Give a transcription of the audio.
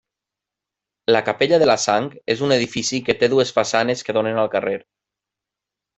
La capella de la Sang és un edifici que té dues façanes que donen al carrer.